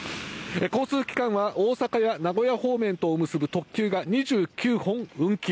交通機関は大阪や名古屋方面とを結ぶ特急が２９本運休。